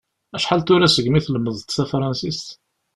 Acḥal tura segmi tlemmdeḍ tafransist?